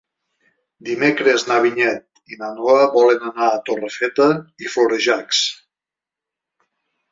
Dimecres na Vinyet i na Noa volen anar a Torrefeta i Florejacs.